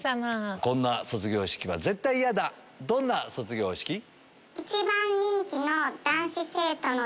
こんな卒業式は絶対嫌だどんな卒業式？